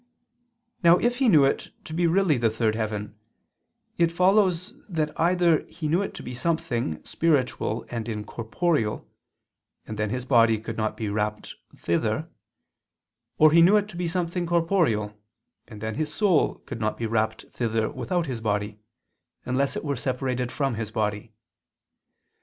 Now if he knew it to be really the third heaven, it follows that either he knew it to be something spiritual and incorporeal, and then his body could not be rapt thither; or he knew it to be something corporeal, and then his soul could not be rapt thither without his body, unless it were separated from his body.